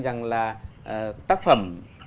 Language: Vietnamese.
rằng là tác phẩm